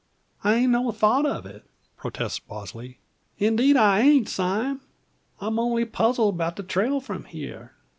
"I hain't no thought of it," protests Bosley, "indeed I hain't, Sime. I'm only puzzled 'bout the trail from here.